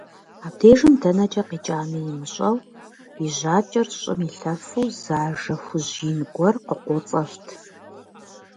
Абдежым дэнэкӀэ къикӀами имыщӀэу и жьакӀэр щӀым илъэфу зы ажэ хужь ин гуэр къыкъуоцӀэфт.